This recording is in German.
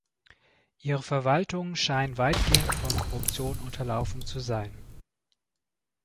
Ihre Verwaltungen scheinen weitgehend von Korruption unterlaufen zu sein.